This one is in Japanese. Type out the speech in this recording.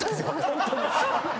ホントに。